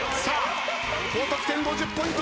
高得点５０ポイントどうだ？